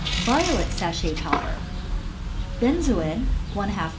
VIOLET SACHET POWDER. Benzoin ½ lb.